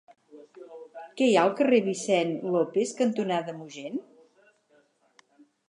Què hi ha al carrer Vicent López cantonada Mogent?